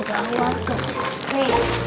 kamu liat deh